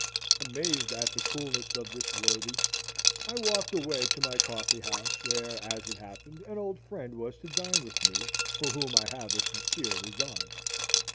Amazed at the coolness of this worthy, I walked away to my coffee house, where, as it happened, an old friend was to dine with me, for whom I have a sincere regard.